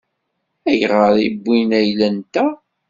Ayɣer i wwin ayla-nteɣ?